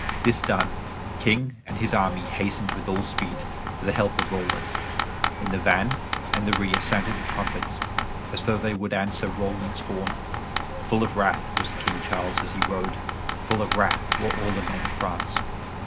This done, the King and his army hastened with all speed to the help of Roland. In the van and the rear sounded the trumpets as though they would answer Roland's horn. Full of wrath was King Charles as he rode; full of wrath were all the men of France.